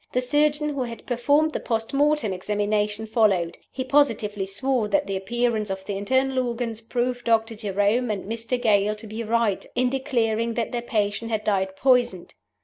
The surgeon who had performed the post mortem examination followed. He positively swore that the appearance of the internal organs proved Doctor Jerome and Mr. Gale to be right in declaring that their patient had died poisoned.